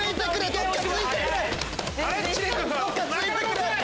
どっかついてくれ！